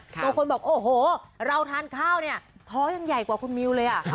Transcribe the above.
บางคนบอกโอ้โหเราทานข้าวเนี่ยท้อยังใหญ่กว่าคุณมิวเลย